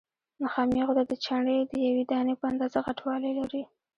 نخامیه غده د چڼې د یوې دانې په اندازه غټوالی لري.